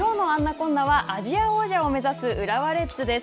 こんなはアジア王者を目指す浦和レッズです。